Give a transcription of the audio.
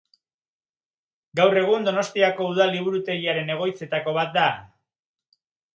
Gaur egun Donostiako Udal Liburutegiaren egoitzetako bat da.